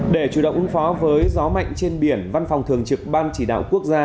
để chủ động ứng phó với gió mạnh trên biển văn phòng thường trực ban chỉ đạo quốc gia